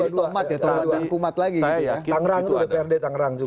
saya yakin itu ada